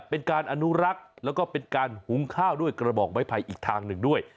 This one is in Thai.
เป็นการอนุรักษ์แล้วก็เป็นการหุงข้าวด้วยกระบอกไม้ไผ่อีกทางหนึ่งด้วย